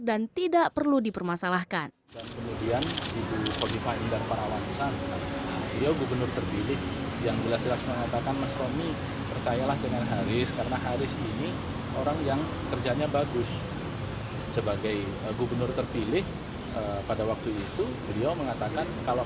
dan tidak perlu dipermasalahkan